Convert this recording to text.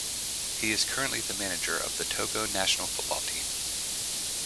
He is currently the manager of the Togo national football team.